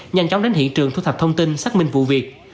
nhanh chóng đến hiện trường thu thập thông tin xác minh vụ việc